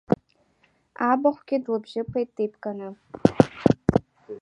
Абахәгьы длыбжьыԥеит деибганы.